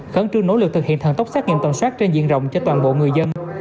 khẩn trương nỗ lực thực hiện thần tốc xét nghiệm tầm soát trên diện rộng cho toàn bộ người dân